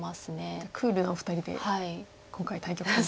じゃあクールなお二人で今回対局と。